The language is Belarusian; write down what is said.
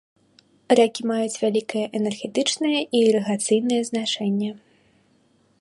Рэкі маюць вялікае энергетычнае і ірыгацыйнае значэнне.